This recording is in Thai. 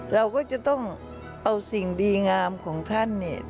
เราก็จะต้องเอาสิ่งดีงามของท่านเนี่ย